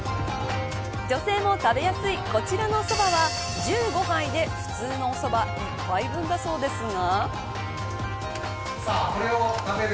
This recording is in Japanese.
女性も食べやすいこちらのそばは１５杯で普通のおそば１杯分だそうですが。